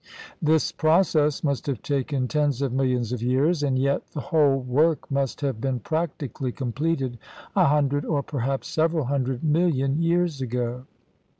This process must have taken tens of mil lions of years, and yet the whole work must have been practically completed a hundred or perhaps several hundred million years ago.